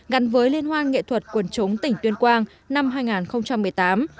gắn với liên hoan nghệ thuật quần chúng tỉnh tuyên quang năm hai nghìn một mươi tám